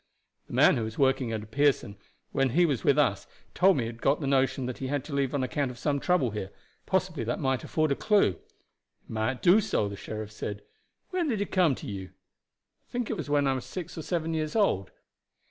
"The man who was working under Pearson, when he was with us, told me he had got the notion that he had had to leave on account of some trouble here. Possibly that might afford a clew." "It might do so," the sheriff said. "When did he come to you?" "I think it was when I was six or seven years old.